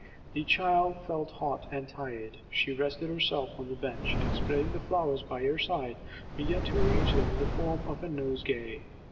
The child felt hot and tired. She rested herself on the bench, and, spreading the flowers by her side, began to arrange them in the form of a nosegay.